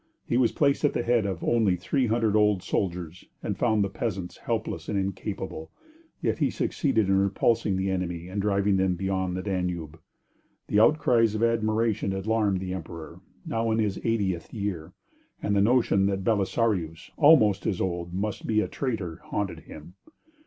He was placed at the head of only 300 old soldiers, and found the peasants helpless and incapable, yet he succeeded in repulsing the enemy and driving them beyond the Danube. The outcries of admiration alarmed the emperor, now in his eightieth year, and the notion that Belisarius, almost as old, must be a traitor, haunted him.